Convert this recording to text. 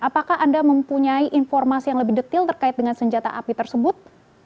apakah anda mempunyai informasi yang lebih detail terkait dengan senjata api tersebut